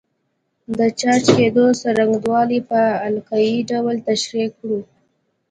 د چارج کېدو څرنګوالی په القايي ډول تشریح کړو.